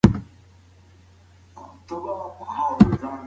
موږ ولې کرکه کوو کله چې بد شی وګورو؟